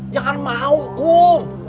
jangan mau kum